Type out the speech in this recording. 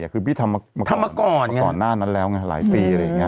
คือพี่ทำมาก่อนหน้านั้นแล้วไง